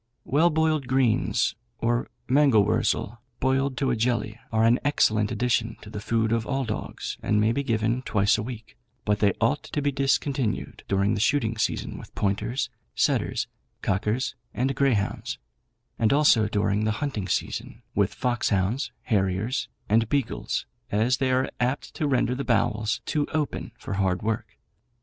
Well boiled greens or mangel wurzel boiled to a jelly are an excellent addition to the food of all dogs, and may be given twice a week; but they ought to be discontinued during the shooting season with pointers, setters, cockers, and greyhounds; and also during the hunting season with foxhounds, harriers, and beagles, as they are apt to render the bowels too open for hard work.